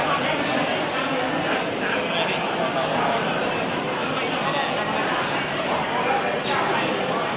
โปรดติดตามตอนต่อไป